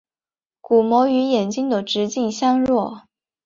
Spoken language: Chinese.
鼓膜与眼睛的直径相若。